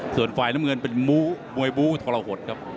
ส่วนฝ่ายน้ำเงินเป็นมวยบูทรหดครับ